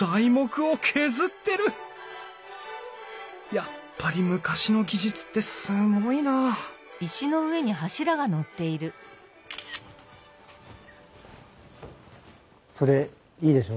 やっぱり昔の技術ってすごいなそれいいでしょ？